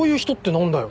何だよ。